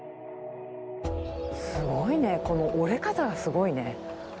垢瓦いこの折れ方がすごいね。